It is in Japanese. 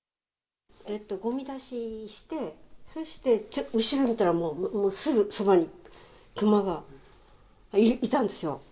ごみ出しして、そして後ろ向いたら、もうすぐそばにクマがいたんですよ。